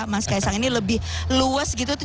mas kaisang ini lebih luas gitu